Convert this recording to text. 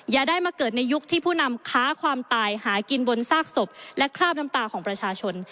อย่าได้มาเกิดในยุคที่ผู้นำค้าความตายหากินบนซากศพและคราบน้ำตาของประชาชน